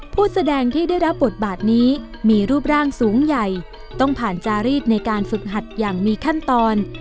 แสดงที่ได้รับบทบาทนี้มีรูปร่างสูงใหญ่ต้องผ่านจารีดในการฝึกหัดอย่างมีขั้นตอน